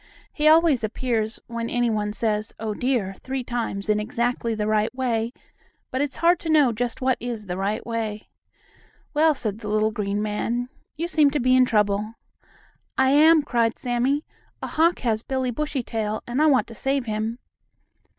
He always appears when any one says "Oh, dear!" three times in exactly the right way, but it's hard to know just what is the right way. "Well," said the little green man, "you seem to be in trouble." "I am," cried Sammie. "A hawk has Billie Bushytail, and I want to save him."